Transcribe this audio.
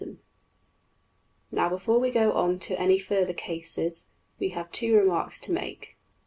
png}% Now, before we go on to any further cases, we have two remarks to make.